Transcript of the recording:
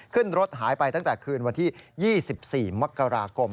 ขึ้นรถหายไปตั้งแต่คืนวันที่๒๔มกราคม